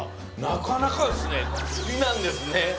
なかなかですね好きなんですね